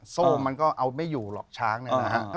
โซ่มันก็เอาไม่อยู่หรอกช้างเนี่ยนะฮะ